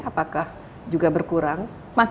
apakah juga berkurang